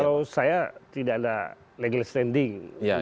kalau saya tidak ada legal standing